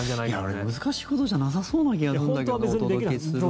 いや俺、難しいことじゃなさそうな気がするんだけど。